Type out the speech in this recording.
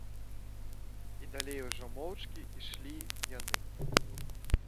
І далей ужо моўчкі ішлі яны.